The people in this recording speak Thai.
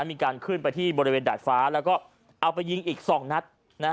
มีการขึ้นไปบนระเบียนดาดฟ้าแล้วก็เอาไปยิงอีก๒นัท